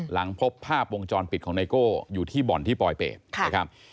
หลังพบภาพวงจรปิดของไนโก้อยู่ที่บ่อนที่ปลอยเป็ดนะครับ